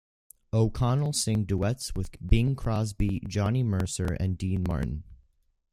O'Connell sang duets with Bing Crosby, Johnny Mercer, and Dean Martin.